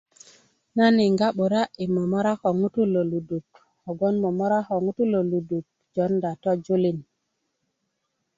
nan yiŋga 'bura' yi momora ko ŋutuu lo luduk kogboŋ momoro ko ŋutuu lo luduk na jowunda tojulin